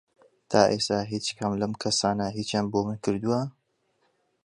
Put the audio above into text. تا ئێستا هیچ کام لەم کەسانە هیچیان بۆ من کردووە؟